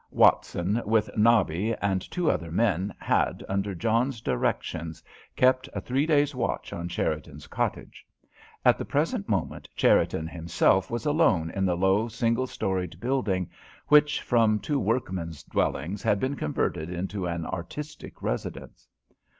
Watson, with Nobby and two other men, had, under John's directions, kept a three days' watch on Cherriton's cottage. At the present moment Cherriton himself was alone in the low, single storied building which, from two workmen's dwellings, had been converted into an artistic residence.